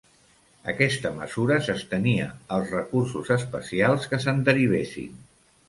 Aquesta mesura s'estenia als recursos especials que se'n derivessin.